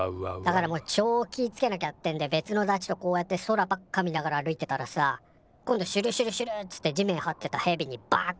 だからもうちょ気ぃつけなきゃってんで別のダチとこうやって空ばっか見ながら歩いてたらさ今度シュルシュルシュルっつって地面はってたヘビにバク！